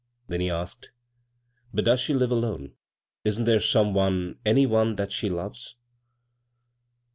Then he asked :" But does she live alone ? Isn't there some one, any one that she loves